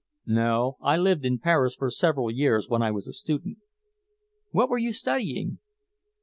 "No. I lived in Paris for several years when I was a student." "What were you studying?"